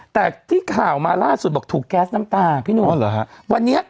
แต่ที่ข่าวมาล่าสุดบอกถูกแก๊สน้ำตาพี่หนุ่มอ๋อเหรอฮะวันนี้